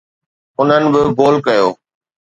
انهن به گول ڪيو.